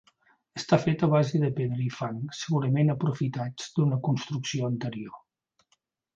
Està fet a base de pedra i fang, segurament aprofitats d'una construcció anterior.